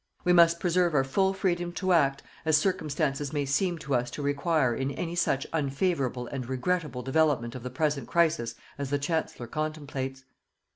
We must preserve our full freedom to act as circumstances may seem to us to require in any such unfavourable and regrettable development of the present crisis as the Chancellor contemplates.